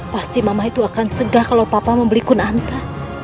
pasti mama itu akan cegah kalau papa membeli kunanta